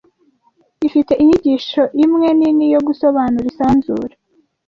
Ifite inyigisho imwe nini yo gusobanura isanzure